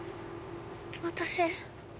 私。